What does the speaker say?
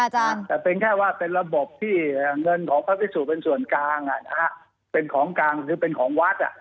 แต่เป็นแค่ว่าเป็นระบบที่เงินของพระภิกษุเป็นส่วนกลาง